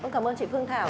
cảm ơn chị phương thảo